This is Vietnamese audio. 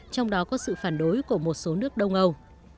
trong đó có sự phản đối của một số nước đông âu